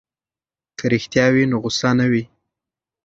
که رښتیا وي نو غوسه نه وي.